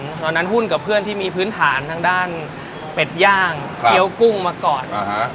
ตอนนั้นหุ้นกับเพื่อนที่มีพื้นฐานทางด้านเป็ดย่างเกี้ยวกุ้งมาก่อน